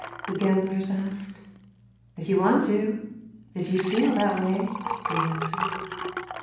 " the gamblers asked. " If you want to, if you feel that way," the answer.